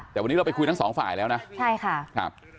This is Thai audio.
แต่วันนี้เราไปคุยทั้งสองฝ่ายแล้วนะใช่ค่ะครับ